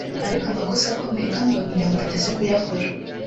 ari amakosa akomeye kandi uwo muryango udateze kuyakora